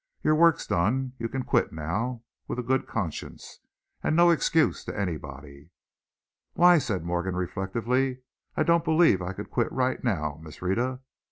Your work's done, you can quit now with a good conscience and no excuse to anybody." "Why," said Morgan, reflectively, "I don't believe I could quit right now, Miss Rhetta.